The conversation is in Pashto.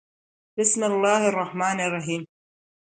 بسم الله الرحمن الرحیم